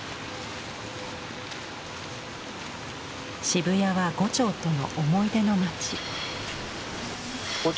渋谷は牛腸との思い出の街。